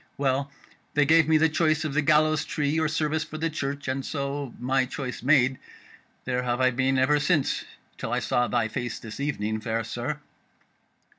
Well, they gave me the choice of the gallows tree or service for the Church, and so, my choice made, there have I been ever since, till I saw thy face this evening, fair sir."